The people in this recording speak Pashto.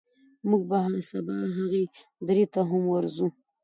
موږ به سبا هغې درې ته هم ورځو.